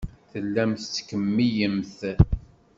Tellamt tettkemmilemt.